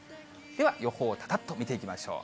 では、予報をたたっと見ていきましょう。